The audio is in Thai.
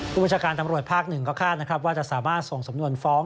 ผู้บัญชาการตำรวจภาคหนึ่งก็คาดนะครับว่าจะสามารถส่งสำนวนฟ้อง